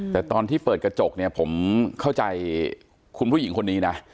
แต่ตอนที่เปิดกระจกเนี่ยผมเข้าใจคุณผู้หญิงคนนี้นะ